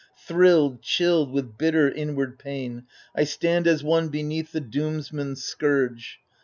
Thrilled, chilled with bitter inward pain I stand as one beneath the doomsman's scourge.